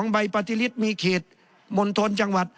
๒ใบปจริศมีเขตมลทนจังหวัด